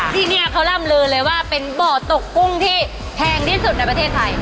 ที่นี่เขาร่ำลือเลยว่าเป็นบ่อตกกุ้งที่แพงที่สุดในประเทศไทย